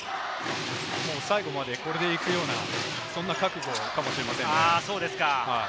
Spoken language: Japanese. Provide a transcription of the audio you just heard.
最後までこれでいくような、そんな覚悟かもしれませんね。